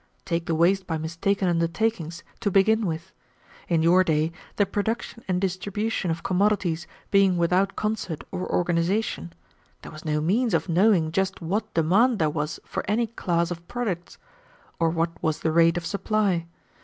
"Take the waste by mistaken undertakings, to begin with. In your day the production and distribution of commodities being without concert or organization, there was no means of knowing just what demand there was for any class of products, or what was the rate of supply.